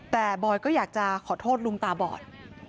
แต่บอยก็อยากจะขอโทษลุงตาบอด